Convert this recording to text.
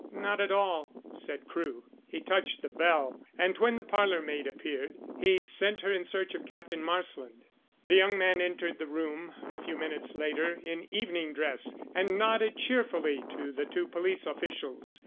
"Not at all," said Crewe. He touched the bell, and when the parlour maid appeared, he sent her in search of Captain Marsland. The young man entered the room a few minutes later in evening dress, and nodded cheerfully to the two police officials.